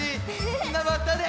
みんなまたね！